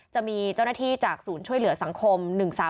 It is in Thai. จะมีเจ้าหน้าที่จากศูนย์ช่วยเหลือสังคม๑๓๓